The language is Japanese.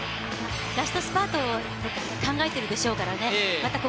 ラストスパートを考えているでしょうからね。